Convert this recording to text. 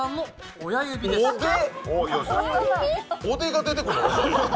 おでが出てくる？